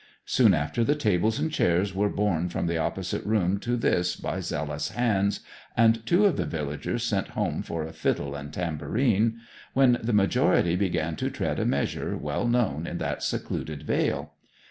Soon after the tables and chairs were borne from the opposite room to this by zealous hands, and two of the villagers sent home for a fiddle and tambourine, when the majority began to tread a measure well known in that secluded vale.